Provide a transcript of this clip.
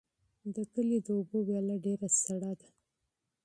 د کلي د اوبو ویاله ډېره یخه ده.